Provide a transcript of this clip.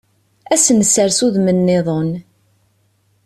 Ad s-nessers udem-nniḍen.